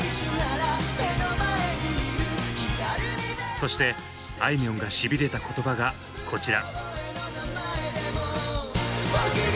そしてあいみょんがシビれた言葉がこちら。